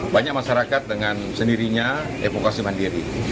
banyak masyarakat dengan sendirinya evakuasi mandiri